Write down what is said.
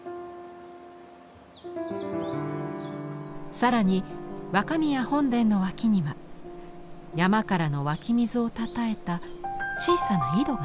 更に若宮本殿の脇には山からの湧き水をたたえた小さな井戸が。